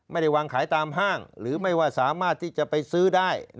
ไม่ได้วางขายตามห้างหรือไม่ว่าสามารถที่จะไปซื้อได้